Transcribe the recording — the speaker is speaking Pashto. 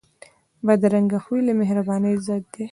بدرنګه خوی د مهربانۍ ضد دی